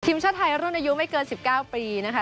ทีมชาติไทยรุ่นอายุไม่เกิน๑๙ปีนะคะ